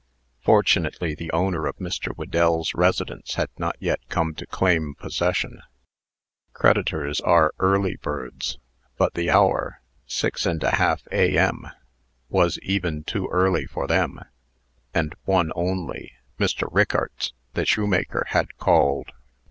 Fortunately, the owner of Mr. Whedell's residence had not yet come to claim possession. Creditors are early birds; but the hour sis and a half A.M. was even too early for them; and only one Mr. Rickarts, the shoemaker had called.